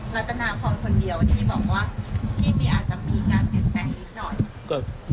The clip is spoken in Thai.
รัตนาพรคนเดียวที่บอกว่าที่มีอาจจะมีการเปลี่ยนแปลงนิดหน่อย